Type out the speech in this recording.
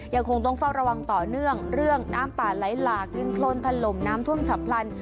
ยังคงต้องเฝ้าระวังต่อเนื่องเรื่องน้ำป่าไหลหลากดินโครนถล่มน้ำท่วมฉับพลัน